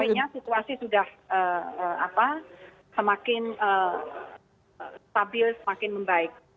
artinya situasi sudah semakin stabil semakin membaik